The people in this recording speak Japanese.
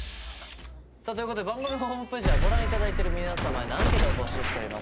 さあということで番組ホームページではご覧いただいている皆様へのアンケートを募集しております。